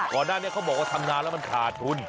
ก่อนหน้านี้เขาบอกว่าทำนานแล้วมันขาดทุน